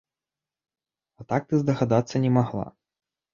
А так ты здагадацца не магла?!